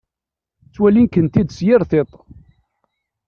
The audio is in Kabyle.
Ttwalin-kent-id s yir tiṭ.